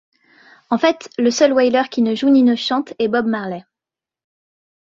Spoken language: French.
En fait, le seul Wailer qui ne joue ni ne chante est Bob Marley.